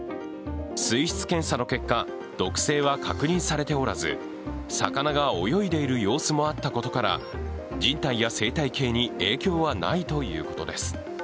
水質検査の結果毒性は確認されておらず魚が泳いでいる様子もあったことから人体や生態系に影響はないということです。